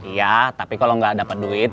iya tapi kalau gak dapet duit